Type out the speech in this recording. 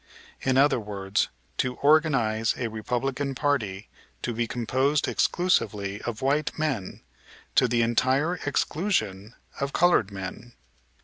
In other words, to organize a Republican party to be composed exclusively of white men, to the entire exclusion of colored men.